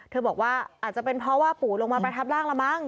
บอกว่าอาจจะเป็นเพราะว่าปู่ลงมาประทับร่างละมั้ง